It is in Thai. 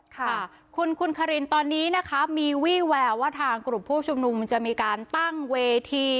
ค่ะคุณคุณคารินตอนนี้นะคะมีวี่แววว่าทางกลุ่มผู้ชุมนุมจะมีการตั้งเวที